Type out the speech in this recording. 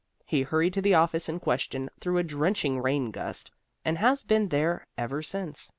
He hurried to the office in question through a drenching rain gust, and has been there ever since.